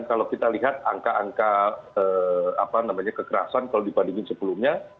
kalau kita lihat angka angka kekerasan kalau dibandingin sebelumnya